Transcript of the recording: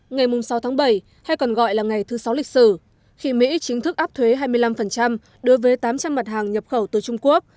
ngày sáu tháng bảy hay còn gọi là ngày thứ sáu lịch sử khi mỹ chính thức áp thuế hai mươi năm đối với tám trăm linh mặt hàng nhập khẩu từ trung quốc